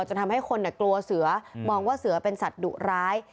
จะทำให้คนกลัวเสือมองว่าเสือเป็นสัตว์ดุร้าย